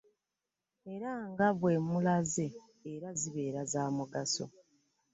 Era nga bwe mulaze era zibeere za mugaso